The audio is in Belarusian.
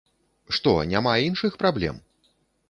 Што, няма іншых праблем?